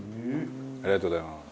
ありがとうございます。